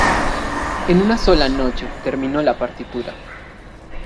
En una sola noche terminó la partitura.